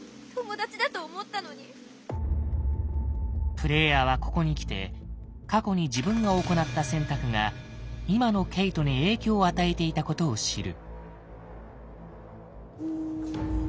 プレイヤーはここにきて過去に自分が行った選択が今のケイトに影響を与えていたことを知る。